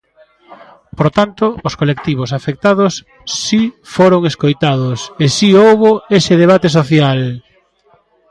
Por tanto, os colectivos afectados si foron escoitados e si houbo ese debate social.